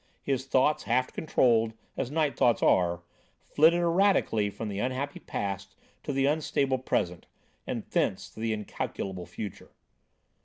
His thoughts, half controlled, as night thoughts are, flitted erratically from the unhappy past to the unstable present, and thence to the incalculable future.